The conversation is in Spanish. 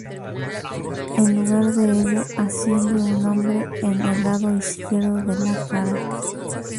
En lugar de ello, asciende un hombro en el lado izquierdo de la cara.